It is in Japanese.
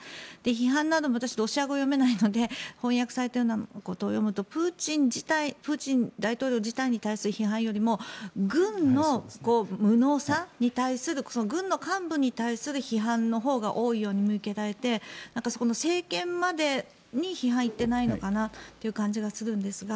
批判なども私はロシア語を読めないので翻訳されているものを見るとプーチン大統領自体に対する批判よりも軍の無能さに対する軍の幹部に対する批判のほうが多いように見受けられて政権までに批判はいっていないのかなという感じがするんですが。